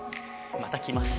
また来ます。